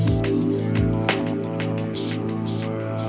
ชื่อฟอยแต่ไม่ใช่แฟง